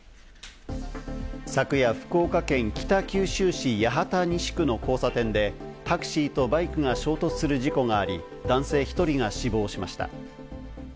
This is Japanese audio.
昨夜、福岡県北九州市八幡西区の交差点でタクシーとバイクが衝突する事故があり、男性１人が死亡しました。